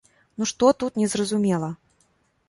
Ну што тут незразумела!